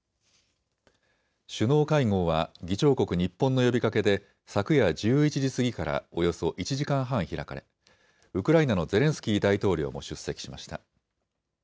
首脳会合は議長国、日本の呼びかけで昨夜１１時過ぎからおよそ１時間半開かれウクライナのゼレンスキー大統領も出席しました。